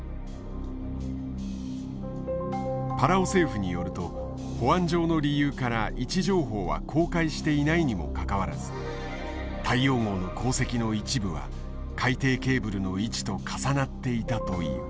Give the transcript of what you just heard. パラオ政府によると保安上の理由から位置情報は公開していないにもかかわらず大洋号の航跡の一部は海底ケーブルの位置と重なっていたという。